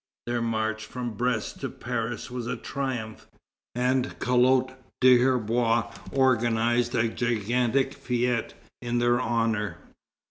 Their march from Brest to Paris was a triumph, and Collot d'Herbois organized a gigantic fête in their honor.